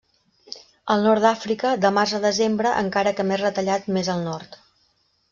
Al nord d'Àfrica, de març a desembre, encara que més retallat més al nord.